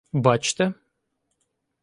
— Бачте.